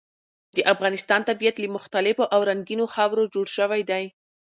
د افغانستان طبیعت له مختلفو او رنګینو خاورو جوړ شوی دی.